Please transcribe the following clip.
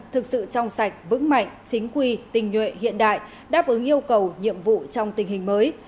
thực sự trong sạch vững mạnh chính quy tình nhuệ hiện đại đáp ứng yêu cầu nhiệm vụ trong tình hình mới